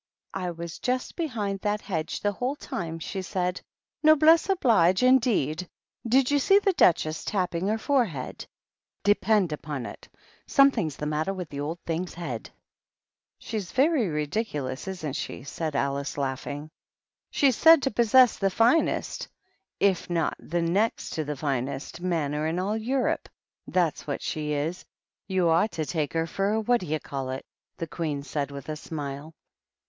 " I was just behind that hedge the whole time," she said. " Noblesse oblige, indeed ! Did you see the Duchess tapping her forehead ? De pend upon it, something's the matter with the old thing's head." " She's very ridiculous, isn't she ?" said Alice, laughing. " She's said to possess the finest, if not the next to the finest, manner in all Europe ; that's what she is. You ought to take her for a what d'ye call it," the Queen said, with a smile.